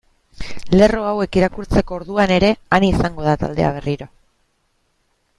Lerro hauek irakurtzeko orduan ere han izango da taldea berriro.